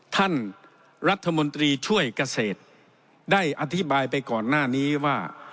ท่านรัฐมนตรีช่วยเกษตรได้อธิบายไปก่อนหน้านี้ว่า